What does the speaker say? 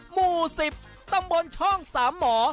หมู่๑๐ตำบลช่อง๓หมอ